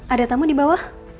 ada tamu di bawah